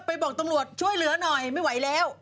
บอกตำรวจช่วยเหลือหน่อยไม่ไหวแล้ว